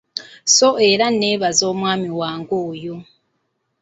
Sso era nneebaza omwami wange oyo.